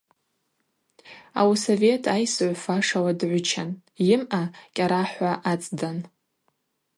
Ауи совет айсыгӏв фашала дгӏвычан, йымъа кӏьарахӏва ацӏдан.